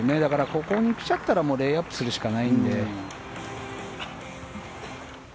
ここに来ちゃったらもうレイアップするしかないので。